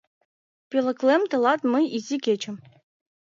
Пöлеклем тылат мый изи кечым